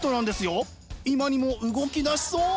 今にも動き出しそう！